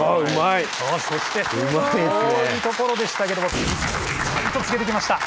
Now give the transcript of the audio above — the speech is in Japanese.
そして遠いところでしたけどもちゃんとつけてきました。